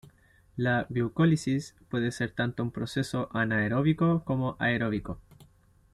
La glucólisis puede ser tanto un proceso anaeróbico como aeróbico.